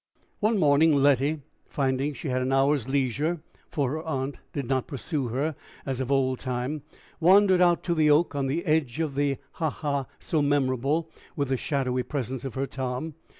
One morning, Letty, finding she had an hour's leisure, for her aunt did not pursue her as of old time, wandered out to the oak on the edge of the ha ha, so memorable with the shadowy presence of her Tom.